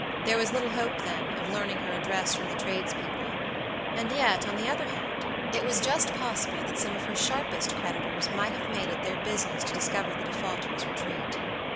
There was little hope, then, of learning her address from the tradespeople; and yet, on the other hand, it was just possible that some of her sharpest creditors might have made it their business to discover the defaulter's retreat.